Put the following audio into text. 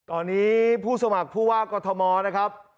ตอนนี้ผู้สมัครผู้ว่ากอทมนะครับ